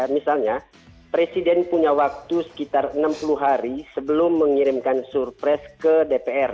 misalnya presiden punya waktu sekitar enam puluh hari sebelum mengirimkan surpres ke dpr